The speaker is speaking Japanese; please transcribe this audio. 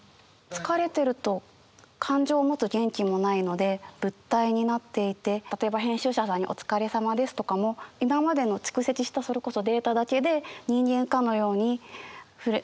疲れてると感情を持つ元気もないので物体になっていて例えば編集者さんにお疲れさまですとかも今までの蓄積したそれこそデータだけで人間かのように振る舞ってるだけで。